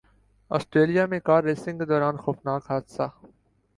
Australia میں car racing کے دوران خوفناک حادثہ